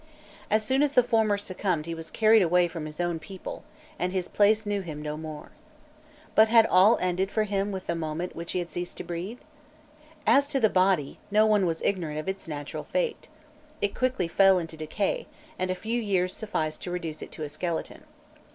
As soon as the former succumbed he was carried away from his own people, and his place knew him no more. But had all ended for him with the moment in which he had ceased to breathe? As to the body, no one was ignorant of its natural fate. It quickly fell to decay, and a few years sufficed to reduce it to a skeleton.